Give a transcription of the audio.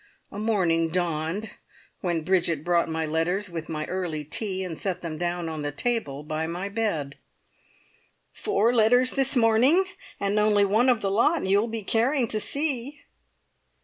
A morning dawned when Bridget brought my letters with my early tea, and set them down on the table by my bed. "Four letters this morning, and only one of the lot you'll be caring to see."